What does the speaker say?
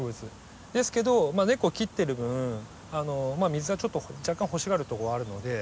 ですけど根っこを切ってる分水はちょっと若干欲しがるとこはあるので。